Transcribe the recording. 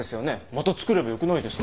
また作ればよくないですか？